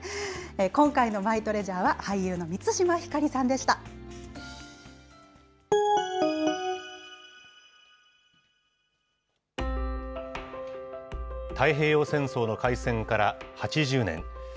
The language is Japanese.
今回のマイトレジャーは俳優の満太平洋戦争の開戦から８０年。